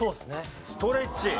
ストレッチ。